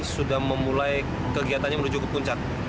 sudah memulai kegiatannya menuju ke puncak